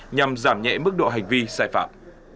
nhằm giảm nhẹ mức độ hành vi sai phạm